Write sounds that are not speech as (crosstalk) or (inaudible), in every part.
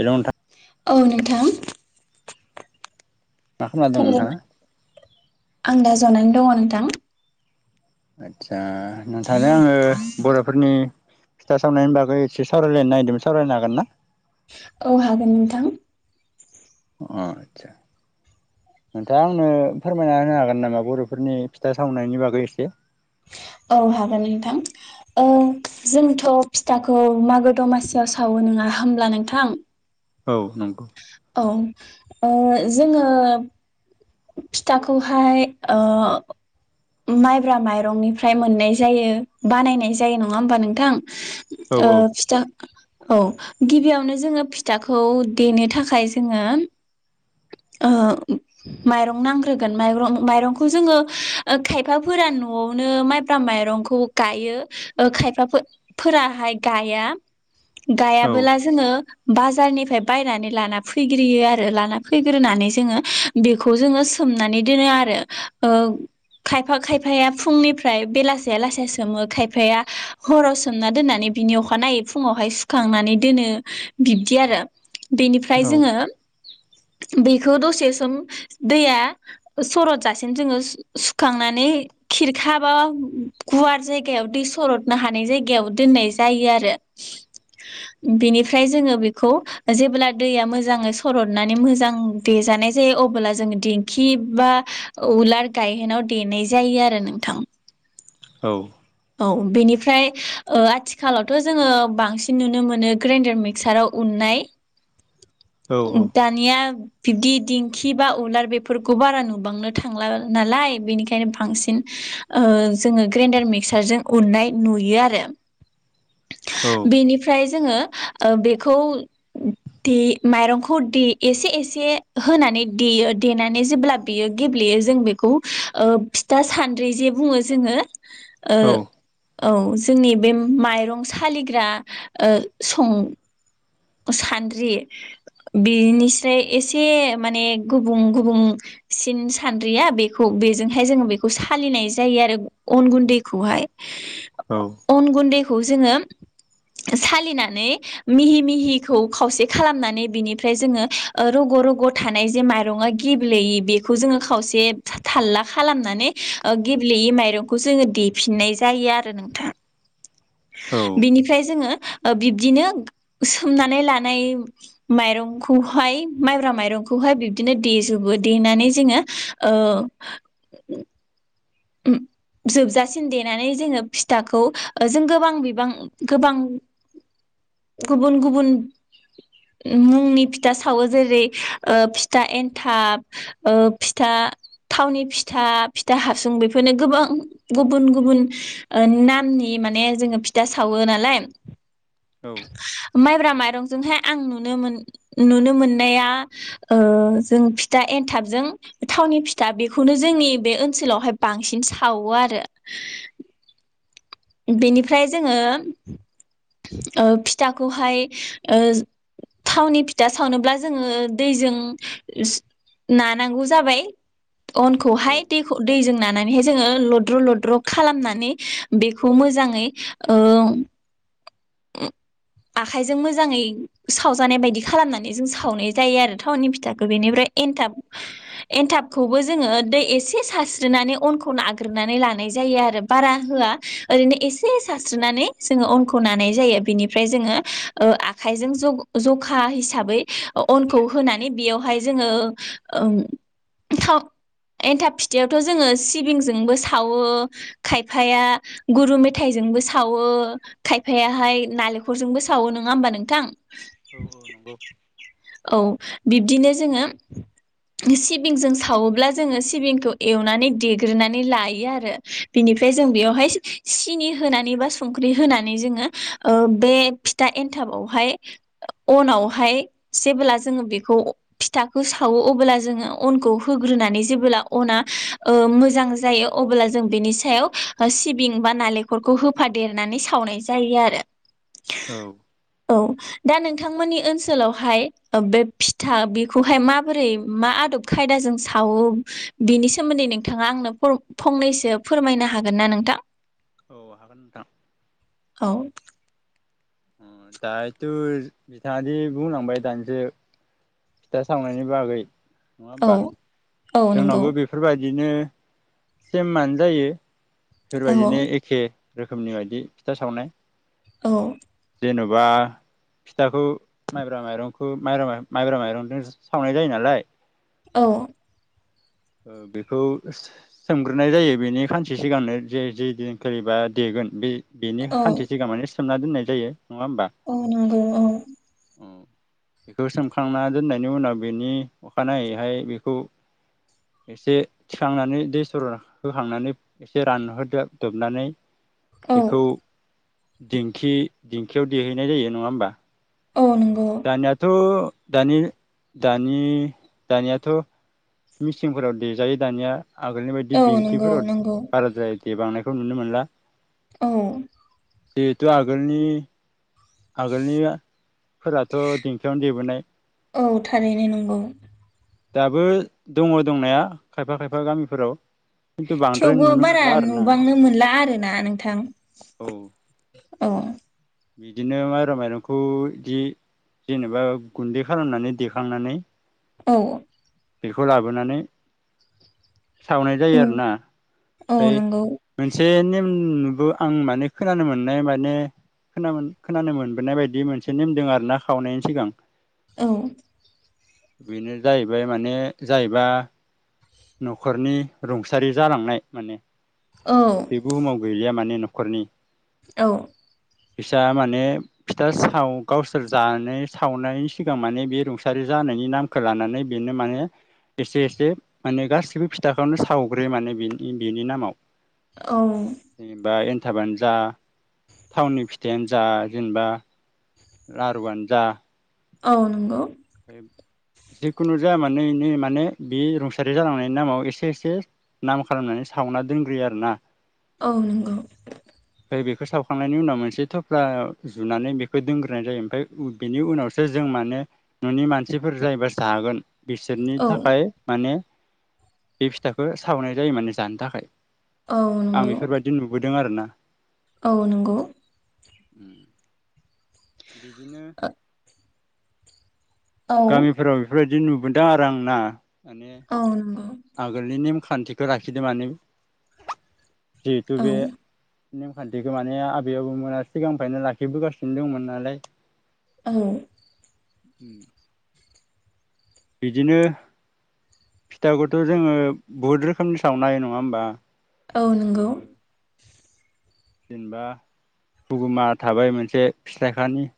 Hello नोंथां। औ नोंथां। मा खामना दं नोंथांङा? जाना दंङ नोंथां। आदसा नोंथां जों आंङो बर'फोरनि फिथा सावनायनि बागै एसे सावरायलायनो नागिरदोंमोन सावरायनो हागोन ना? औ हागोन नोंथां। अ आदसा नोंथां आंनो फोरमायना होनो हागोन नामा बर'फोरनि फिथा सावनायनि बागै एसे औ हागोन नोंथां, ओ जोंथ' फिथाखौ मागो दमासियाव सावो नंङा होनब्ला नोंथां? औ नंगौ। औ ओ जोंङो फिथाखौहाय ओ माइब्रा माइरंनिफ्राय मोननाय जायो बानायनाय जायो नंङा होमबा नोंथां? ओ औ औ फिथा औ गिबियावनो जोंङो फिथाखौ देनो थाखाय जोंङो ओ माइरं नांग्रोगोन माइरं माइरंखौ जोंङो ओ खायफाफोरा न'आवनो माइब्रा माइरंखौ गायो खायफा फोराहाय गाया। औ गायाबोला जोंङो बाजारनिफ्राय बायनानै लाना फैग्रोयो आरो लाना फैग्रोनानै जोंङो बेखौ जोंङो सोमनानै दोनो आरो ओ खायफा खायफाया फुंनिफ्राय बेलासिया लासिया सोमो खायफाया हराव सोमना दोननानै बिनि अखानायनायै फुंङावहाय सुखांनानै दोनो बिब्दि आरो। बेनिफ्राय औ जोंङो बेखौ दसे सोम दैया सरत जासेम जोंङो सुखांनानै खिरखा बा गुवार जायगायाव दै सरदनो हानाय जायगायाव दोननाय जायो आरो, बेनिफ्राय जोंङो बेखौ जेब्ला दैया मोजांङै सरदनानै मोजां देजानाय जायो अब्ला जोंङो दिंखि बा उलार गायहोनायाव देनाय जायो आरो नोंथां। औ औ बेनिफ्राय ओ आथिखालावथ' जोंङो बांसिन नुनो मोनो ग्राइडार मिक्साराव उन्नाय औ दानिया बिब्दि दिंखि बा उलार बेफोरखौ बारा नुबांनो थांला नालाय बेनिखायनो ओ बांसिन ओ जोंङो ग्रेन्डार मिक्सारजों उन्नाय नुयो आरो। बेनिफ्राय जोंङो ओ बेखौ दे माइरंखौ दे एसे एसे होनानै देयो देनानै जेब्ला बेयो गेब्लेयो जों बेखौ ओ फिथा सान्द्रि जे बुंङो जोंङो। ओ औ जोंनि बे माइरं सालिग्रा ओ सं सान्द्रि बिनिस्राय एसे माने गुबुं गुबुंसिन सानद्रिया बेखौ बेजोंहाय जोंङो बेखौ सालिनाय जायो आरो अन गुन्दै खौहाय अन गुन्दै खौ जों सालिनानै मिहि मिहिखौ खावसे खालामनानै बिनिफ्राय जोंङो रग' रग' थानाय जे माइरंआ हो गेब्लेय बेखौ जोंङो खावसे थालला खालामनानै ओ गेब्लेयै माइरंखौ जोंङो देफिननाय जायो आरो नोंथां। बिनिफ्राय जोंङो ओ बिब्दिनो सोमनानै लानाय माइरंखौहाय माइब्रा माइरंखौहाय बिब्दिनो देजोबो देनानै जोंङो ओ उम जोबजासिम देनानै जोंङो फिथाखौ ओ जों गोबां बिबां गोबां गुबुन गुबुन मुंनि फिथा सावो जेरै ओ फिथा एन्थाब ओ फिथा थावनि फिथा, फिथा हासुं बे फोरनो गोबां गुबुन गुबुन ओ नामनि माने जोंङो फिथा सावो नालाय औ ब्रा मायरंजोंहाय आं नुनो मोनाया ओ जों फिथा एनथाबजों थावनि फिथा बेखौनि जोंनि बे ओनसोलावहाय बांसिन सावो आरो। बेनिफ्राय जोंङो ओ फिथाखौहाय ओज थावनि फिथा सावनोब्ला जोङो दैजों नानांगौ जाबाय अनखौहाय दैख दैजों नानानैहाय‌ जोंङो लद्र लद्र खालामनानै‌ बे खौ मोजाङै ओम आखाइजों मोजांङै सावजानाय बायदि खालामनानै जों सावनाय जायो आरो थावनि फिथाखो बेनिफ्राय एनथाब एनथाबखौबो जोङो दै एसे सारस्रिनानै अनखौ नाग्रोनानै लानाय जायो आरो बारा होया ओरैनो एसे सारस्रिनानै जोङो अनखौ नानाय जायो बिनिफ्राय जोंङो ओ आखायजों जग जखा हिसाबै अ अनखौ होनानै बियावहाय जोंङो ओम थाव एनथाब फिथायावथ' जोंङो सिबिंजोंबो सावो खायफाया गुरू मेथाइजोंबो सावो खायफाया हाय नालेंखरजोंबो सावो नोंङा होमबा नोंथां? औ औ नोंगौ। औ बिब्दिनो जोङो सिबिंजों सावोब्ला जोङो सिबिंखौ एवनानै देग्रोनानै लायो आरो बिनिफ्राय जों बेवहाय सिनि होनानै बा संख्रि होनानै जोङो ओ बे फिथा एन्थाबावहाय अनावहाय जेबोला जोङो बेखौ अ फिथाखो सावो अबोला जोङो अनखौ होग्रोनानै जेबोला अना ओम मोजां जायो अबोला जों बेनि सायाव ओ सिबिं बा नालेंखरखौ होफादेरनानै सावनाय जायो आरो। औ औ। दा नोंथांमोननि ओनसोलावहाय बे फिथा बेखौहाय माबोरै मा आदब खायदाजों सावो बेनि सोमोन्दै नोंथाङा आंनो फरब फंनैसो फोरमायनो हागोन ना नोंथां? औ हागोन नोंथां। औ। उम दा दोज बिथाङादि बुंलांबाय दानस‍ो फिथा सावनायनि बागै नङा औ होमबा? औ नंगौ जोंनावबो बेफोरबाय दिनो सेममानो जायो। औ बेफोरबायदिनो एखे रोखोमनि बायदि फिथा सावनाय औ। जेन'बा फिथाखौ माइब्रा माइरंखौ माइब्रा माइरं माइब्रा माइरजों सावनाय जायो नालाय। औ। ओ बेखौ सोस सोमग्रोनाय जायो बेनि खानसे सिगांनो जे जे दिनखालिबा देगोन बे बेनि औ हान्थिसिगां मानेस सोमना दोननाय जायो नङा होमबा? औ नंगौ औ उम। बेखौ सोमखांना दोननायनि उनाव बेनि अखानायैहाय बेखौ एसे थिखांनानै दै सरन होखांनानै एसे रानहोदोब दोबनानै औ बेखौ दिंखि दिंखियाव देहैनाय जायो नङा होमबा? औ नंगौ दानियाथ'‌ दानि दानि दानियाथ मिचिंफ‍ोराव देजायो दानिया आगोलनि बायदि औ नंगौ दिंखिफोराव नंगौ बाराद्राय देबांनायखौ नुनो मोनला। औ बेथ' आगोलनि आगोलनिफोराथ' दिंखियावनो देबोनाय औ थारैनो नंगौ दाबो दङ दंनाया खायफा खायफा गामिफोराव खिन्थु बांद्राय थेवबो नुनो बारा मोनला आरोना नुबांनो मोनला आरो ना नोंथां औ औ बिदिनो माइरं माइरंखौ बिदि जे-जेनेबा गुन्दै खालामनानै देखांनानै औ बेखौ लाबोनानै सावनाय औ जायो आरो ना औ ओमफ्राय नंगौ मोनसे नेम ओं नंगौ आं माने खोनानो मोननाय माने खोनानो मोनबोनाय बायदि मोनसे नेम दों आरो ना खावनायनि सिगां औ बेनो जाहैबाय माने जाहैबा न'खरनि रुंसारि जालांनाय माने औ बे बुहुमाव गैलिया माने न न'खरनि औ बिसा माने फिथा साव गावसोर जानाय सावनायनि सिगां माने बे रुंसारि जानायनि नामखौ लानानै बेनो माने एसे एसे माने गासिबो फिथाखौनो सावग्रोयो माने बेनि बेनि नामाव औ फिथाबानो जा थावनि फिथाइयानो जा जेनेबा लारुआनो जा औ नंगौ जिखुनु जाया मानो आंनि इनि माने बे रुंसारि थासारि जालांनायनि नामाव एसे एसे नाम खालामनानै सावना दोनग्रोयो आरो ना औ नंगौ ओमफ्राय बेखौ सावखांनायनि उनाव मोनसे थफ्ला जुनानै बेखौ दोनग्रोनाय जायो ओमफ्राय बेनि उनावसो जों माने न'नि मानसिफोर जायहा जागोन बिसोरनि औ थाखाय माने बे फिथाखौ सावनाय जायो माने जानो थाखाय औ आं नंगौ बेफोरबायदि नुबोदों आरो ना औ नंगौ होम बिदिनो औ गामिफोराव बेफोरबायदि बिदि नुबोदों आरो आंना औ नंगौ आगोलनि नेमखान्थिखौ लाखिदों माने जिथु औ बे नेमखान्थिखौ माने आबै आबौ मोना सिगांनिफ्रायनो लाखिबोगासिनो दंमोन नालाय औ उम बिदिनो फिथाखौथ' जोङो बहुद रोखोमनि सावनो होयो नङा होमबा? औ ओ नंगौ। जेनेबा हुगुमा थाबाय मोनसे, फिथाइखानि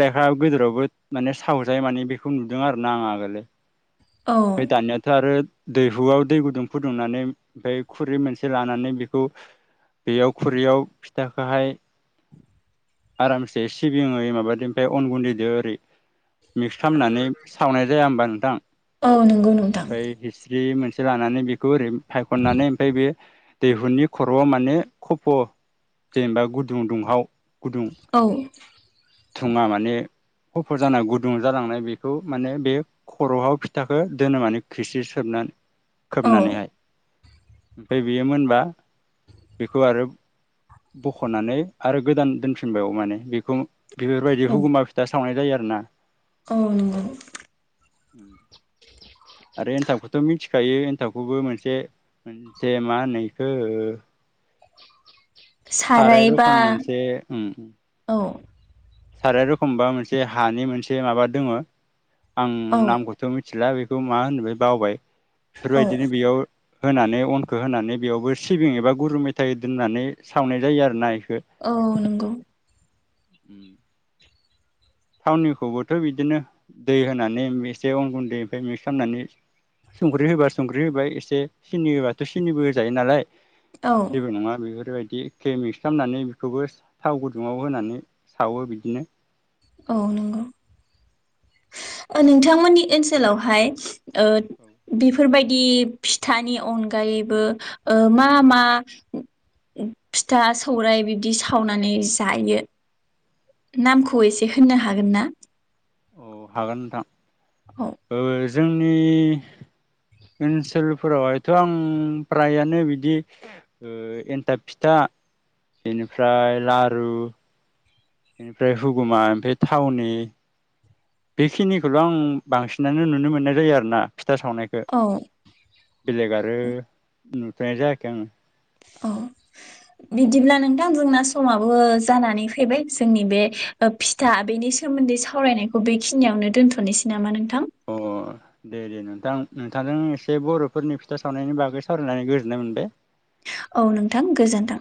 फिथासा गोजोरावबो माने सावजायो माने बेखौ नुदों आरो ना आं आगोलो। औ आमफ्राय दानियाथ' आरो। दैहुआव दै गुदुं फुदुंनानै ओमफ्राय खुरै मोनसे लानानै बेखौ बेयाव खुरैयाव फिथाखौहाय आरामसे सिबिङै माबादो ओमफ्राय अन गुन्दैजों ओरै मिक्स खालामनानै सावनाय जाया होमबा नों थां? औ नंगौ नोंथां। जिस्रि मोनसे लानानै बेखौ ओरै फायखननानै ओमफ्राय बे दैहुनि खर'आव माने खफ' जेनबा गुदुं दुंहाव गुदुं (inaudible) थुङा माने खफ' जानानाय गुदुं जालांनाय बेखौ माने बे खर'हाव फिथाखौ दोनो माने खिस्रि सोबनानै औ खोबनानैहाय। ओमफ्राय बेयो मोनबा बेखौ आरो बख'नानै आरो गोदान दोनफिनबायो माने बेखौ बेफोरबायदि हुगुमा फिथा सावनाय जायो आ रोना। औ नोंगौ। उम आरो एनथाबखौथ' मिथिखायो एनथाबखौबो मोनसे मोनसे मा होनो इखो साराय सारायबा रोखोम मोनसे ओम ओम औ साराय रखमबा मोनसे हानि मोनसे माबा दङ' आं औ नामखौथ' मिथिला बे मा होनबाय बावबाय। औ बेफोरबायदिनो बेयाव होनानै अनखौ होनानै बेयावबो सिबिं एबा गुरु मेथाइ दोननानै सावनाय जायो आरो नाय। औ नंगौ। उम थावनिखौबोथ' बिदिनो दै होनानै एसे अन गुन्दैनिफ्राय मिक्स खालामनानै संख्रि होबा संख्रि होबाय एसे सिनि होबाथ' सिनिबो होजायो नालाय। औ जेबो नङा बेफोरबायदि बिदि एखे मिक्स खालामनानै बेखौबो थाव गुदुङाव होनानै सावो बिदिनो। औ नोंगौ। ओ नोंथांमोननि ओनसोलावहाय ओ बिफोरबाय दि फिथानि अनगायैबो ओ मा मा फिथा सौराय बिदि सावनानै जायो नामखौ एसे होननो हागोन ना? औ हागोन नोंथां। औ ओ जोंनि ओनसोलफोराव हायथ' आं फ्रायानो बिदि ओ एन्थाब फिथा इनिफ्राय लारु इनिफ्राय हुगुमा ओमफाय थावनि बेखिनिखौल' आं बांसिनानो नुनो मोननाय जायो आरोना था सावनायखो औ बेलेग आरो नुफेरनाय जायाखै आं औ बिदिब्ला नोंथां जोंना समाबो जानानै फैबाय जोंनि बे ओ फिथा बेनि सोमोन्दै सावरायनायखौ बेखिनियावनो दोनथ'नोसै नामा नों? थां? अ दे दे नोंथां नोंथांजों एसे बर'फोरनि फिथा सावनायनि बागै सावरायनानै गोजोननाय मोनबाय। औ नोंथां गोजोन्थों।